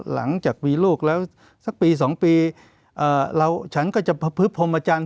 หลังจากมีลูกแล้วซะปีสองปีฉันก็จะพฤพภมจรรย์